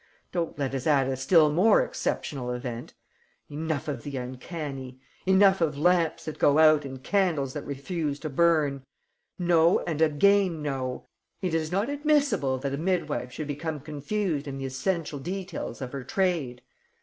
Don't let us add a still more exceptional event! Enough of the uncanny! Enough of lamps that go out and candles that refuse to burn! No and again no, it is not admissable that a midwife should become confused in the essential details of her trade.